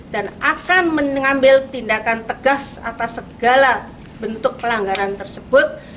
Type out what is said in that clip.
dan akan mengambil tindakan tegas atas segala bentuk pelanggaran tersebut